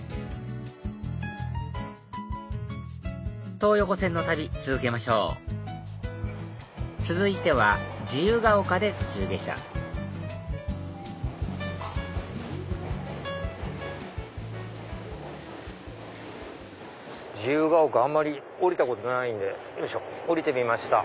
東横線の旅続けましょう続いては自由が丘で途中下車自由が丘あんまり降りたことないんで降りてみました。